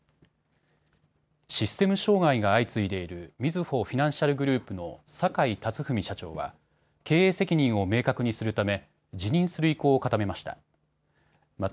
システム障害が相次いでいるみずほフィナンシャルグループの坂井辰史社長は経営責任を明確にするため辞任する意向を固めました。